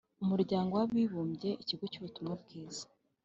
umuryango w’abibumbye, ikigo cy’ubutumwa bwiza